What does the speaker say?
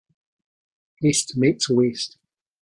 Haste makes waste.